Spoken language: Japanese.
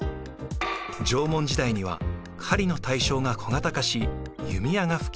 縄文時代には狩りの対象が小型化し弓矢が普及。